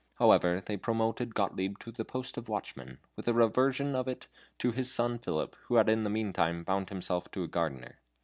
However, they promoted Gottlieb to the post of watchman, with the reversion of it to his son Philip, who had in the meantime bound himself to a gardener.